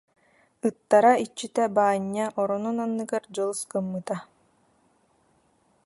Ыттара иччитэ Баанньа оронун анныгар дьылыс гыммыта